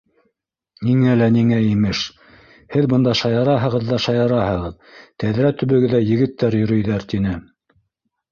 — Ниңә лә ниңә, имеш. һеҙ бында шаяраһығыҙ ҙа шаяраһығыҙ, тәҙрә төбөгөҙҙә егеттәр йөрөйҙәр, — тине.